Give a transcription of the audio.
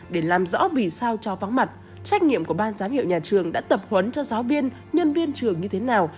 để làm rõ vì sao cho vắng mặt trách nhiệm của ban giám hiệu nhà trường đã tập huấn cho giáo viên nhân viên trường như thế nào